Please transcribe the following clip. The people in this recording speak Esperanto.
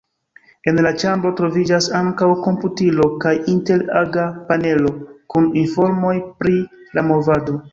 En la ĉambro troviĝas ankaŭ komputilo kaj inter-aga panelo kun informoj pri la movado.